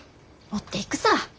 持っていくさ。